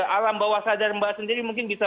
alam bawah sadar mbak sendiri mungkin bisa